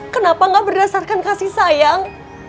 kenapa gak berdasarkan kasih sayang